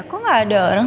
kok nggak ada orang